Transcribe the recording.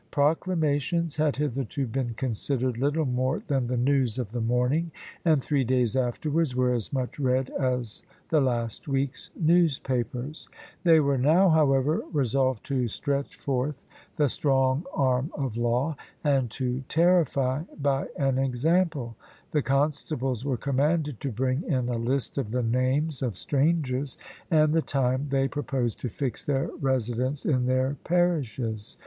Proclamations had hitherto been considered little more than the news of the morning, and three days afterwards were as much read as the last week's newspapers. They were now, however, resolved to stretch forth the strong arm of law, and to terrify by an example. The constables were commanded to bring in a list of the names of strangers, and the time they proposed to fix their residence in their parishes.